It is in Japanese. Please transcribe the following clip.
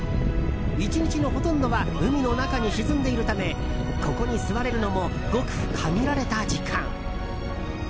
１日のほとんどは海の中に沈んでいるためここに座れるのもごく限られた時間。